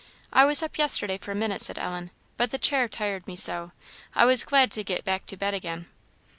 "I was up yesterday for a minute," said Ellen; "but the chair tired me so, I was glad to get back to bed again."